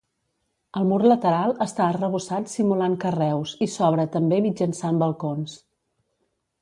El mur lateral està arrebossat simulant carreus i s'obre també mitjançant balcons.